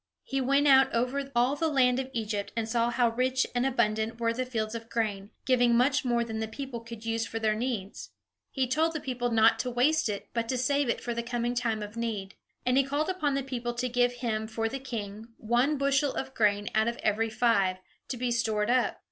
He went out over all the land of Egypt, and saw how rich and abundant were the fields of grain, giving much more than the people could use for their own needs. He told the people not to waste it, but to save it for the coming time of need. And he called upon the people to give him for the king one bushel of grain out of every five, to be stored up.